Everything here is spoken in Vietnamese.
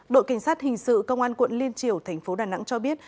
đội cảnh sát hình sự công an quận liên triều thành phố đà nẵng cho biết